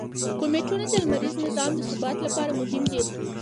کومیټونه د لمریز نظام د ثبات لپاره مهم دي.